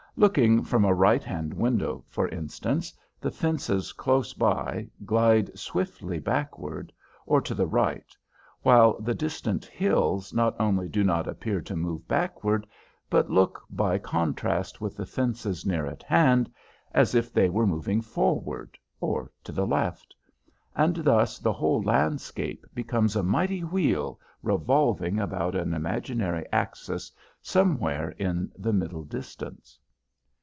Looking from a right hand window, for instance, the fences close by glide swiftly backward, or to the right, while the distant hills not only do not appear to move backward, but look by contrast with the fences near at hand as if they were moving forward, or to the left; and thus the whole landscape becomes a mighty wheel revolving about an imaginary axis somewhere in the middle distance.